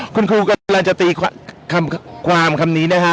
คุณครูกำลังจะตีความคำนี้นะฮะ